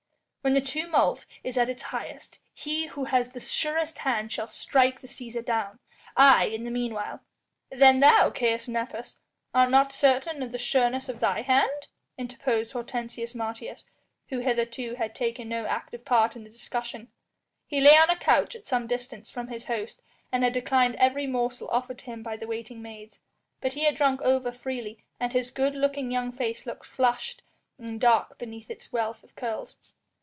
"When the tumult is at its highest, he who has the surest hand shall strike the Cæsar down. I, in the meanwhile " "Then thou, Caius Nepos, art not certain of the sureness of thy hand?" interposed Hortensius Martius who hitherto had taken no active part in the discussion. He lay on a couch at some distance from his host and had declined every morsel offered to him by the waiting maids; but he had drunk over freely, and his good looking young face looked flushed and dark beneath its wealth of curls.